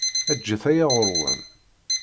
Eǧǧet aya ɣur-wen.